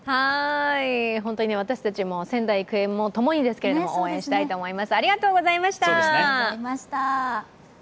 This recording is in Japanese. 本当に私たちも仙台育英もともに応援したいと思います。